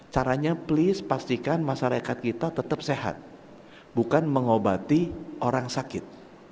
caranya please pastikan masyarakat kita tetap sehat bukan mengobati orang sakit